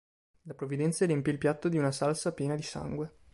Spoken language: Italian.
La provvidenza riempì il piatto di una salsa piena di sangue.